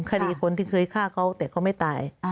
คดีคนที่เคยฆ่าเขาแต่เขาไม่ตาย